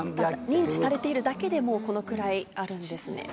認知されているだけでもこのくらいあるんですね。